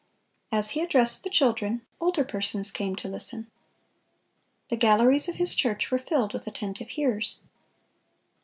As he addressed the children, older persons came to listen. The galleries of his church were filled with attentive hearers.